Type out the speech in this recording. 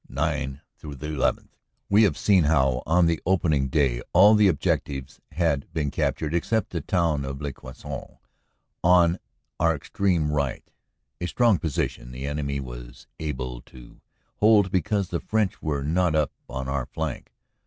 9 11 WE have seen how on the opening day all the objectives had been captured except the town of Le Quesnel on our extreme right, a strong position the enemy was able to hold because the French were not up on our flank.